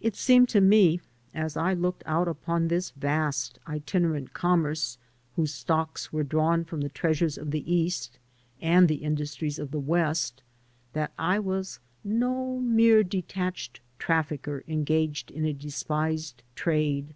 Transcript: It seemed to me, as I looked out upon this vast itinerant conmierce, whose stocks were drawn from the treasxu'es of the East and the industries of the West, that I was no mere detached trafficker engaged in a despised trade.